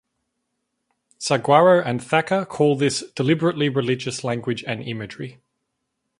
Saguaro and Thacker call this "deliberately religious language and imagery".